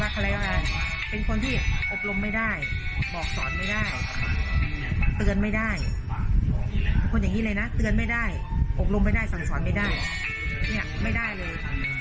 คนอย่างนี้เลยนะเตือนไม่ได้อบรมไม่ได้สั่งสอนไม่ได้เนี่ยไม่ได้เลย